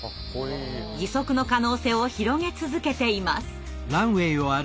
義足の可能性を広げ続けています。